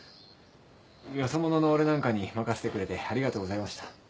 よそ者の俺なんかに任せてくれてありがとうございました。